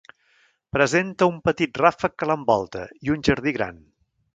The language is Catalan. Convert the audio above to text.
Presenta un petit ràfec que l'envolta, i un jardí gran.